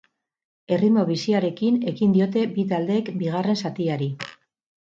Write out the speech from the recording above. Erritmo biziarekin ekin diote bi taldeek bigarren zatiari.